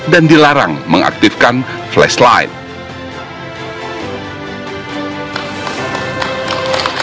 dan dilarang mengaktifkan flashlight